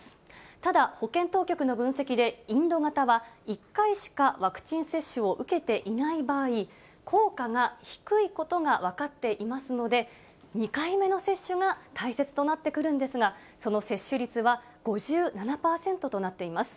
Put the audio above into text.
ただ、保健当局の分析でインド型は１回しかワクチン接種を受けていない場合、効果が低いことが分かっていますので、２回目の接種が大切となってくるんですが、その接種率は５７％となっています。